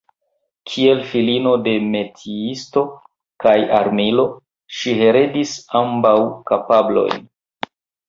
Kiel filino de "metiisto" kaj "armilo" ŝi heredis ambaŭ kapablojn.